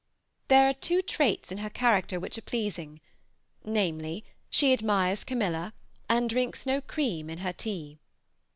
There are two traits in her character which are pleasing, namely, she admires Camilla, and drinks no cream in her tea.